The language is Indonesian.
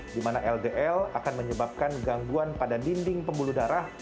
di mana ldl akan menyebabkan gangguan pada dinding pembuluh darah